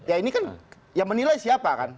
ya ini kan yang menilai siapa kan